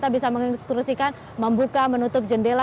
apa yang dikonstruksi membuka atau menutup jendela